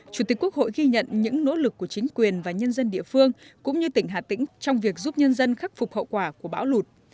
chủ tịch quốc hội ghi nhận những nỗ lực của chính quyền và nhân dân địa phương cũng như tỉnh hà tĩnh trong việc giúp nhân dân khắc phục hậu quả của bão lụt